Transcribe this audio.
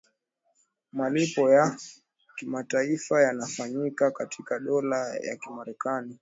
malipo ya kimataifa yanafanyika katika dola ya kimarekani